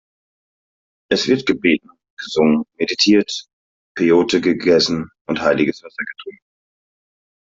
Es wird gebetet, gesungen, meditiert, Peyote gegessen und heiliges Wasser getrunken.